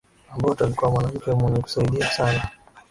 abbott alikuwa mwanamke mwenye kusaidia sana